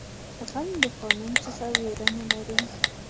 غل د قانون څخه ویره نه لري